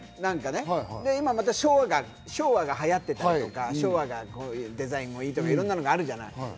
今、また昭和が流行っていたりとか、デザインもいいとか、いろんなのがあるじゃない。